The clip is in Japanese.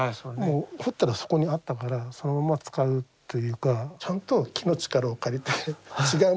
もう彫ったらそこにあったからそのまま使うというかちゃんと木の力を借りて違うものに変えてくって。